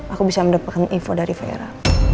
aku bisa mendapatkan info dari vera